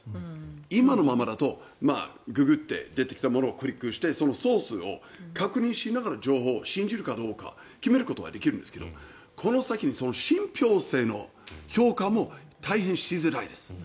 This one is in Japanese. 今のままだとググって出てきたものをクリックしてソースを確認しながら情報を信じるかどうか決めることができるんですけどこの先、その信ぴょう性の評価も大変しづらいです。